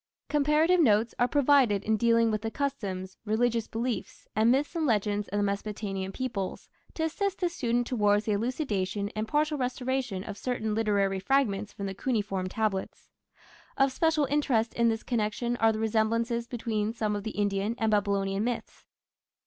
Comparative notes are provided in dealing with the customs, religious beliefs, and myths and legends of the Mesopotamian peoples to assist the student towards the elucidation and partial restoration of certain literary fragments from the cuneiform tablets. Of special interest in this connection are the resemblances between some of the Indian and Babylonian myths.